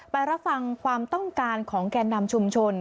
รับฟังความต้องการของแก่นำชุมชน